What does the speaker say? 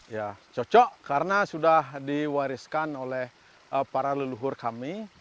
ya cocok karena sudah diwariskan oleh para leluhur kami